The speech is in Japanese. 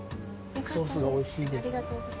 ソースがおいしいです。